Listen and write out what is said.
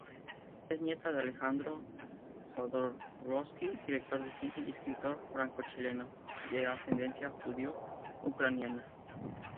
Es nieta de Alejandro Jodorowsky, director de cine y escritor franco-chileno de ascendencia judío-ucraniana.